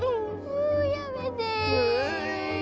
もうやめて！